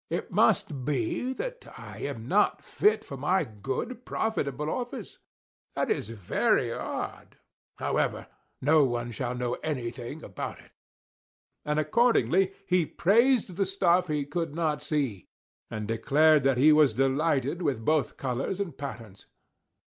"It must be, that I am not fit for my good, profitable office! That is very odd; however, no one shall know anything about it." And accordingly he praised the stuff he could not see, and declared that he was delighted with both colors and patterns.